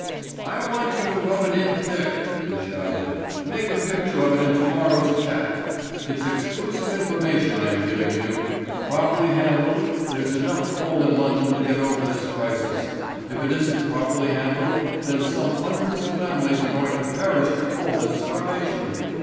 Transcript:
"I want you to rub it in thick," he shouted. "Make a picture of it in to morrow's Chat. It's exclusive information I am giving you. Properly handled, there's enough coal in London to get over this crisis. If it isn't properly handled, then some hundreds of families are going to perish of cold and starvation.